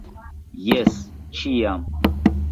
Jes, ĉiam!